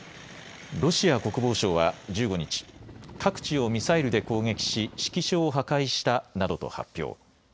ロシア国防省は１５日、各地をミサイルで攻撃し指揮所を破壊したなどと発表。